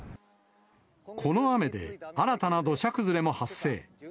この雨で新たな土砂崩れも発生。